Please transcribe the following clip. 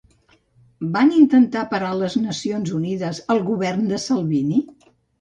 Van intentar parar les Nacions Unides al govern de Salvini?